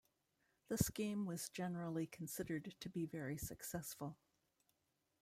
The scheme was generally considered to be very successful.